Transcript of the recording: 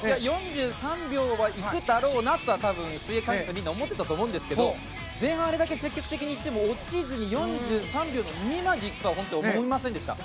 ４３秒はいくだろうなと水泳関係者はみんな思っていたと思うんですけど前半あれだけ積極的にいっても落ちずに４３秒２まで行くとは本当に思いませんでした。